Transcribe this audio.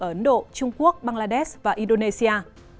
ở ấn độ trung quốc bangladesh và indonesia